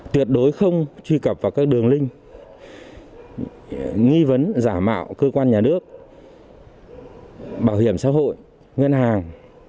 tuyệt đối không truy cập vào các đường link nghi vấn giả mạo cơ quan nhà nước bảo hiểm xã hội ngân hàng